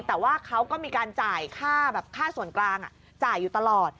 แต่ว่าเขาก็มีการจ่ายค่าแบบค่าส่วนกลางจ่ายอยู่ตลอด